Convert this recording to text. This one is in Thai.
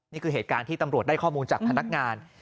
นี่คือเหตุการณ์ที่ตำรวจได้ข้อมูลจากพนักงาน